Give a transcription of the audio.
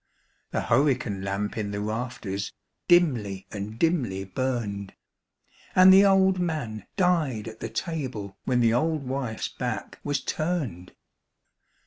The hurricane lamp in the rafters dimly and dimly burned; And the old man died at the table when the old wife's back was turned.